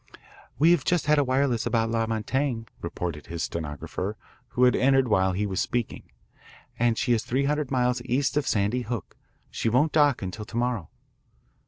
"We have just had a wireless about La Montaigne," reported his stenographer, who had entered while he was speaking, " and she is three hundred miles east of Sandy Hook. She won't dock until tomorrow."